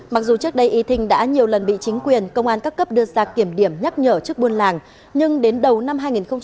mặc dù trước đây itin đã nhiều lần bị chính quyền công an các cấp đưa ra kiểm điểm nhắc nhở trước buôn làng nhưng đến đầu năm hai nghìn một mươi tám